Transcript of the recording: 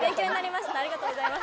ありがとうございます